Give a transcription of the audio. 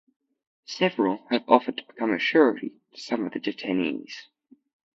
Several have offered to become a surety to some of the detainees.